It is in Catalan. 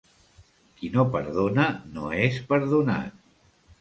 Qui no perdona, no és perdonat.